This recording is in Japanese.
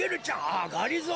あっがりぞー。